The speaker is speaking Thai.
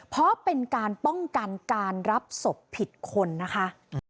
เพราะเป็นการป้องกันการรับศพผิดคนนะคะ